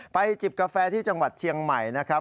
จิบกาแฟที่จังหวัดเชียงใหม่นะครับ